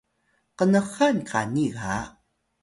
qnxan qani ga